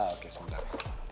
ah oke sebentar